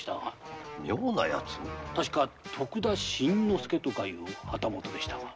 徳田新之助という旗本でしたが。